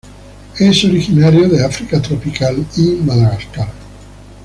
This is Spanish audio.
Es originario de África tropical y Madagascar.